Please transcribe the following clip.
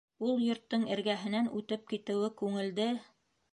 Ул йорттоң эргәһенән үтеп китеүе күңелде!